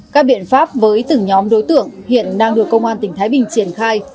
các biện pháp với từng nhóm đối tượng hiện đang được công an tỉnh thái bình triển khai